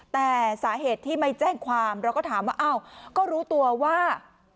แต่สาเหตุที่ไม่แจ้งความเราก็ถามว่าอ้าวก็รู้ตัวว่า